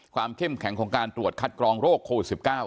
เข้มแข็งของการตรวจคัดกรองโรคโควิด๑๙